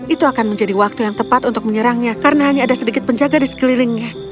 itu akan menjadi waktu yang tepat untuk menyerangnya karena hanya ada sedikit penjaga di sekelilingnya